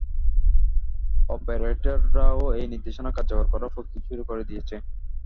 অপারেটররাও এই নির্দেশনা কার্যকর করার প্রস্তুতি শুরু করে দিয়েছে।